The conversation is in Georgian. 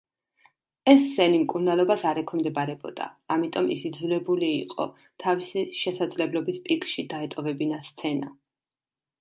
ეს სენი მკურნალობას არ ექვემდებარებოდა, ამიტომ ის იძულებული იყო თავისი შესაძლებლობის პიკში დაეტოვებინა სცენა.